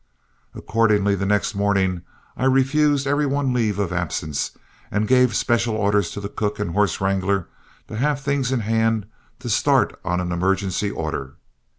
Accordingly the next morning, I refused every one leave of absence, and gave special orders to the cook and horse wrangler to have things in hand to start on an emergency order.